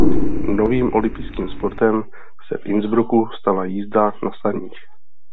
Novým olympijským sportem se v Innsbrucku stala jízda na saních.